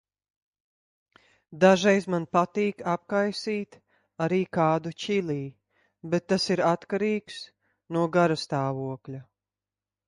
Dažreiz man patīk apkaisīt arī kādu čili, bet tas ir atkarīgs no garastāvokļa.